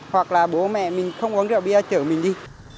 hoặc là bố mẹ mình không uống rượu bia chở mình đi